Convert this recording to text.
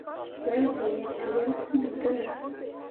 Wel ɓo yetǝyel puli te nah.